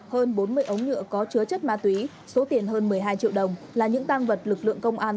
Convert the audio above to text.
hơn bốn mươi ống nhựa có chứa chất ma túy số tiền hơn một mươi hai triệu đồng là những tăng vật lực lượng công an